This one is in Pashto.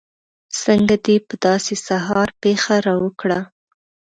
څنګه دې په داسې سهار پېښه راوکړه.